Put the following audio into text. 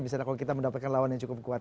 bisa kita mendapatkan lawan yang cukup kuat